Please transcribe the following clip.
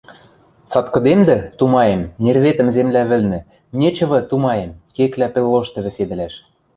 Цаткыдемдӹ, тумаем, нерветӹм земля вӹлнӹ, нечывы, тумаем, кеклӓ пӹл лошты вӹседӹлӓш.